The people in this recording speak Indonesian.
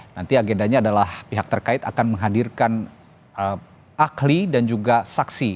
nanti agendanya adalah pihak terkait akan menghadirkan ahli dan juga saksi